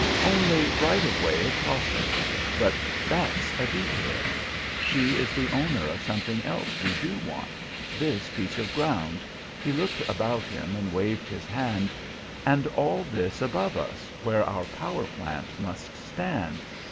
"Only right of way across it. But 'that's a detail.' She is the owner of something else we do want this piece of ground," he looked about him and waved his hand, "and all this above us, where our power plant must stand.